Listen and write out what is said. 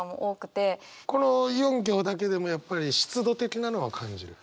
この４行だけでもやっぱり湿度的なのは感じる？